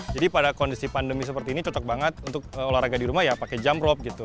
jadi pada kondisi pandemi seperti ini cocok banget untuk olahraga di rumah ya pakai jump rope gitu